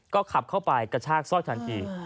ก็ขับเข้าไปกระชากสร้อยทันที